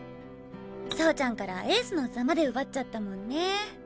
走ちゃんからエースの座まで奪っちゃったもんね。